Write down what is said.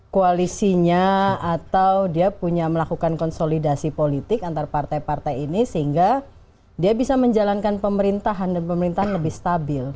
koalisinya atau dia punya melakukan konsolidasi politik antar partai partai ini sehingga dia bisa menjalankan pemerintahan dan pemerintahan lebih stabil